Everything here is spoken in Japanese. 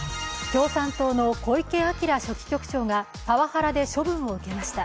共産党の小池晃書記局長がパワハラで処分を受けました。